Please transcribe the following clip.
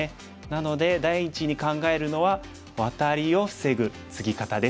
なので第一に考えるのはワタリを防ぐツギ方です。